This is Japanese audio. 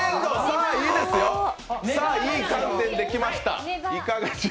さあ、いい観点できました。